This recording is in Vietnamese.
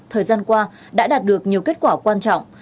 thời gian qua đã đạt được nhiều kết quả quan trọng